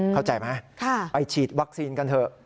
เข้าใจไหมไปฉีดวัคซีนกันเถอะ